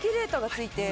ついて。